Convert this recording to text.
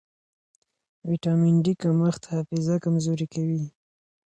ویټامن ډي کمښت حافظه کمزورې کوي.